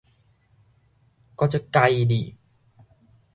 我足佮意你